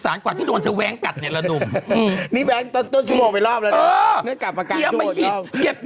อ้ะคุณซาวเอาเรื่องนี้ก่อน